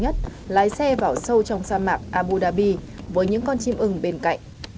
cô là người nhất lái xe vào sâu trong sa mạc abu dhabi với những con chim ưng bên cạnh